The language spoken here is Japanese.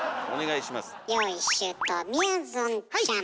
用意周到みやぞんちゃん。